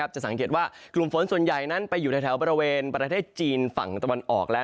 จะสังเกตว่ากลุ่มฝนส่วนใหญ่นั้นไปอยู่ในแถวบริเวณประเทศจีนฝั่งตะวันออกแล้ว